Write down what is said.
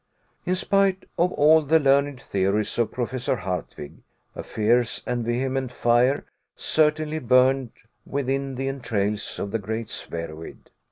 In spite of all the learned theories of Professor Hardwigg, a fierce and vehement fire certainly burned within the entrails of the great spheroid.